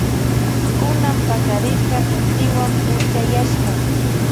Kunan pakarirka intiwan punchayashka.